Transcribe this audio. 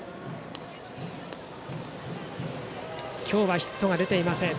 今日はヒットが出ていません。